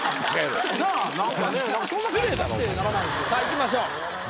さぁいきましょう。